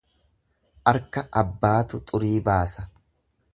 Arka abbaatu xurii baasa.